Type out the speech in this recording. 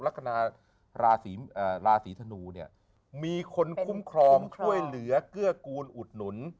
ลักษณะราศีธนูเนี่ยมีคนคุ้มครองช่วยเหลือเกื้อกูลอุดหนุน